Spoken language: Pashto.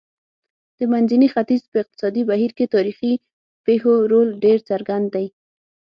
د منځني ختیځ په اقتصادي بهیر کې تاریخي پېښو رول ډېر څرګند دی.